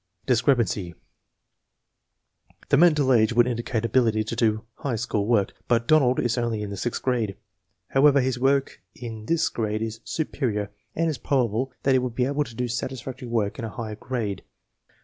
Discrepancy: The mental age would indicate ability to do high school work, but Donald is only in the sixth grade. However, his work hi this grade is "superior" and it is prob able that he would be able to do satisfactory work in a higher grade.